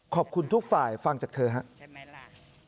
ขอบคุณทุกฝ่ายฟังจากเธอครับ